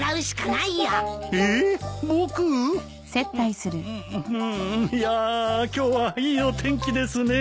いや今日はいいお天気ですねえ。